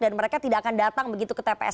dan mereka tidak akan datang begitu ke tps